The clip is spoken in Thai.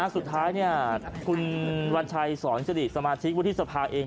สุดท้ายเนี่ยคุณวัญชัยสอนสดิตสมาชิกวัฒนธิสภาคเอง